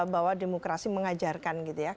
bahwa demokrasi mengajarkan gitu ya